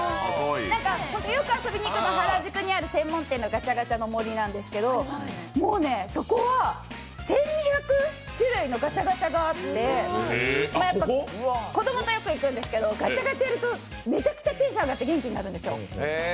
よく遊びに行く原宿の専門店のガチャガチャの森なんですけどもう、そこは１２００種類のガチャガチャがあって子供とよく行くんですけどガチャガチャやるとめちゃくちゃテンション上がって元気になるんですよ。